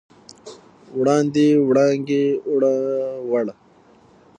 وړاندې، وړانګې، اووړه، وړ